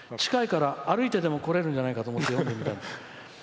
近いから歩いてでも来れるんじゃないかと思って、読んでみた。